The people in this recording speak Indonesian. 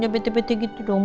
nggak bete bete gitu dong